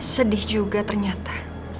sedih juga ternyata